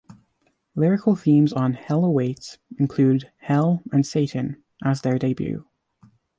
Lyrical themes on "Hell Awaits" include hell and Satan, as their debut.